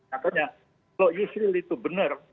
katanya kalau yusril itu benar